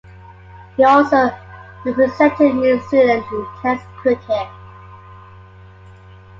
He also represented New Zealand in Test cricket.